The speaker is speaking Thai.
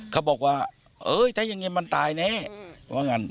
เขาบอกว่าเฮ้ยถ้ายังไงมันตายเนี่ย